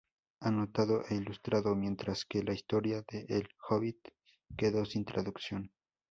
Anotado e ilustrado", mientras que "La historia de El hobbit" quedó sin traducción.